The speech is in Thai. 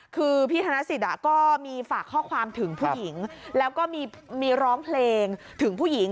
คือพี่ธนสิทธิ์ก็มีฝากข้อความถึงผู้หญิงแล้วก็มีร้องเพลงถึงผู้หญิง